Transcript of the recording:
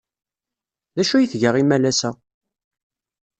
D acu ay tga imalas-a?